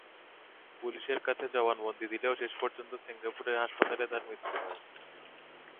পুলিশের কাছে জবানবন্দি দিলেও শেষ পর্যন্ত সিঙ্গাপুরের হাসপাতালে তাঁর মৃত্যু হয়।